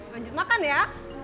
lanjut makan ya